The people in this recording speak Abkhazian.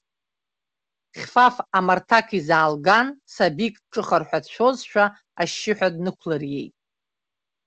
Хьфаф амарҭақ изаалган, сабик дҿыхар ҳәа дицәшәозшәа, ашьшьыҳәа днықәлыриеит.